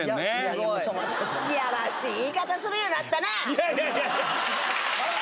いやいやいやいや！